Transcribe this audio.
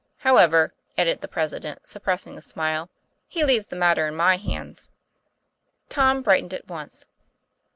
"However," added the President, suppressing a smile, "he leaves the matter in my hands." Tom brightened at once.